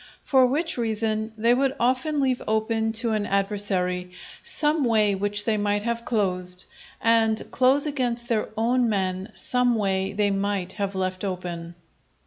For which reason, they would often leave open to an adversary some way which they might have closed, and close against their own men some way they might have left open.